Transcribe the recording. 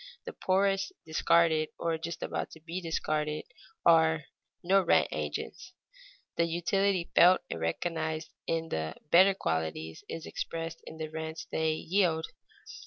The poorest, discarded or just about to be discarded, are no rent agents. The utility felt and recognized in the better qualities is expressed in the rents they yield.